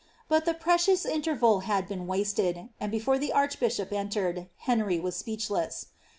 But the precious interval ■d been wasted ; and before the archbishop entered, Henry was speech* ■i.